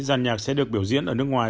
giàn nhạc sẽ được biểu diễn ở nước ngoài